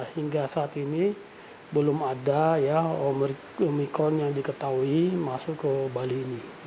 hingga saat ini belum ada omikron yang diketahui masuk ke bali ini